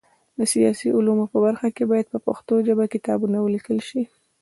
د سیاسي علومو په برخه کي باید په پښتو ژبه کتابونه ولیکل سي.